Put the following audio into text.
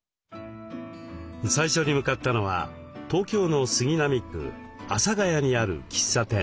最初に向かったのは東京の杉並区阿佐ヶ谷にある喫茶店。